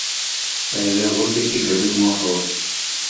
په یوې غونډې کې ګډون موخه وه.